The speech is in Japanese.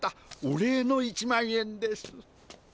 お礼の１万円です。